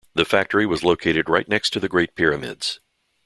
The factory was located right next to the Great Pyramids.